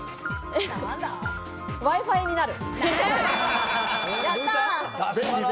Ｗｉ−Ｆｉになる。